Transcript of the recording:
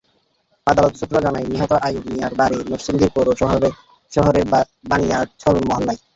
আদালত সূত্র জানায়, নিহত আইয়ুব মিয়ার বাড়ি নরসিংদী পৌর শহরের বানিয়াছল মহল্লায়।